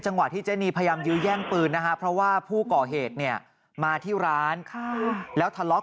ที่เจนีพยายามยื้อแย่งปืนนะฮะเพราะว่าผู้ก่อเหตุเนี่ยมาที่ร้านแล้วทะเลาะ